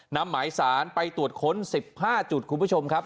นำหมายสารไปตรวจค้น๑๕จุดคุณผู้ชมครับ